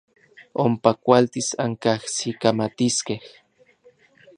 Ompa kualtis ankajsikamatiskej.